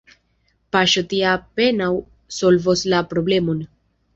Paŝo tia apenaŭ solvos la problemon.